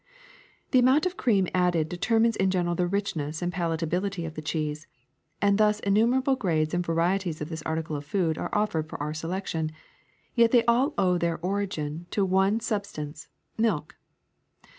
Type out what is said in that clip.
The amount of cream added determines in general the richness and palatability of the cheese, and thus innumerable grades and varieties of this article of food are offered for our selection ; yet they all owe their origin to the one substance, milk.